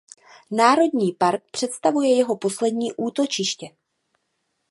Národní park představuje jeho poslední útočiště.